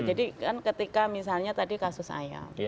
jadi kan ketika misalnya tadi kasus ayam